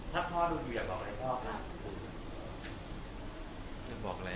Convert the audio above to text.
ถ้าพ่อดูอยู่อยากบอกอะไรพ่อคะ